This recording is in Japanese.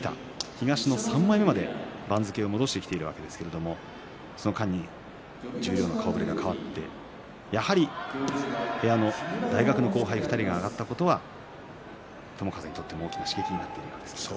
東の３枚目まで番付を戻してきているわけですけれどもその間に十両の顔ぶれが変わってやはり部屋の大学の後輩２人が上がったことは、やはり友風にとっても大きな刺激になっているわけですね。